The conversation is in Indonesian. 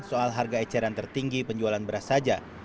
soal harga eceran tertinggi penjualan beras saja